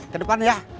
ke depan ya